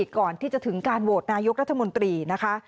ก่อนที่จะถึงการโหวตนายกรัฐมนตรีนะคะ